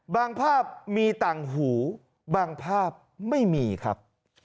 ภาพมีต่างหูบางภาพไม่มีครับ